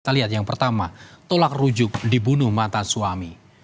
kita lihat yang pertama tolak rujuk dibunuh mata suami